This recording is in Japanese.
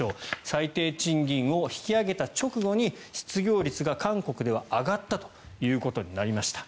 最低賃金を引き上げた直後に失業率が韓国では上がったということになりました。